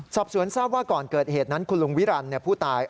สอบสวนทราบว่าก่อนเกิดเหตุนั้นคุณลุงวิรันดิ์ผู้ตาย